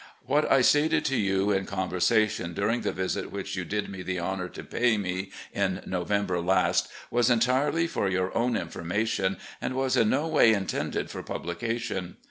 What I stated to you in conversa tion, during the visit which you did me the honour to pay me in November last, was entirely for your own in formation, and was in no way intended for publication.